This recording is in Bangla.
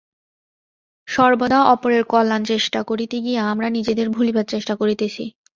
সর্বদা অপরের কল্যাণচেষ্টা করিতে গিয়া আমরা নিজেদের ভুলিবার চেষ্টা করিতেছি।